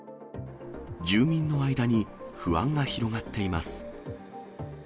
住民の間に不安が広がっています。